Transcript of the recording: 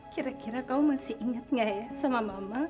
kira kira kamu masih ingat nggak ya sama mama